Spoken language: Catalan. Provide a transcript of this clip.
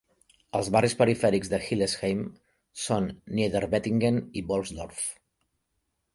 Els barris perifèrics de Hillesheim són Niederbettingen i Bolsdorf.